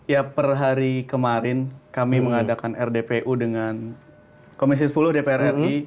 ya per hari kemarin kami mengadakan rdpu dengan komisi sepuluh dpr ri